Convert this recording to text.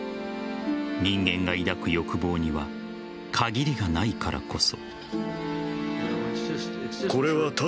人間が抱く欲望には限りがないからこそ。